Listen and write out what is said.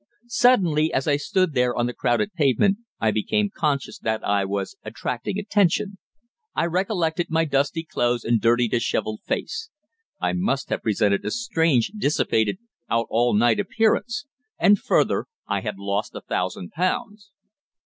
Suddenly, as I stood there on the crowded pavement, I became conscious that I was attracting attention. I recollected my dusty clothes and dirty, dishevelled face. I must have presented a strange, dissipated, out all night appearance. And further, I had lost a thousand pounds.